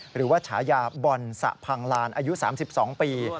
หรือว่าฉายาบอลสะพังลานอายุ๓๒ปี